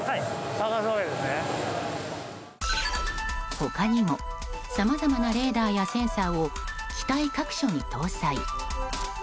他にもさまざまなレーダーやセンサーを機体各所に搭載。